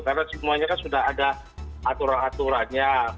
karena semuanya kan sudah ada aturan aturannya